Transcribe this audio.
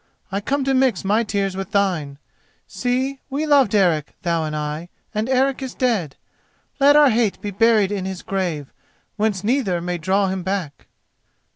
I come to mix my tears with thine. See, we loved Eric, thou and I, and Eric is dead. Let our hate be buried in his grave, whence neither may draw him back."